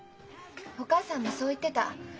お母さんもそう言ってた。